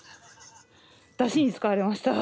だしに使われました。